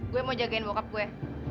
gue mau jagain boukap gue